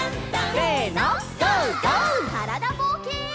からだぼうけん。